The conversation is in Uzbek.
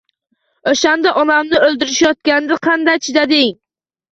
O‘shanda onamni o‘ldirishayotganda qanday chidading?